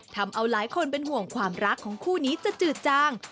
ทำเอาหลายคนเป็นห่วงความรักของคู่นี้จะจืดจาง